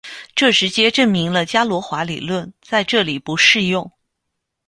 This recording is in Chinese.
这直接证明了伽罗华理论在这里不适用。